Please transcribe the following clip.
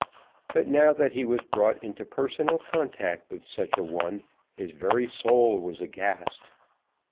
But now that he was brought into personal contact with such an one, his very soul was aghast.